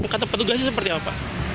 kata petugasnya seperti apa